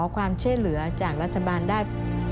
ก็ขอความเช่นเหลือจากรัฐบาลได้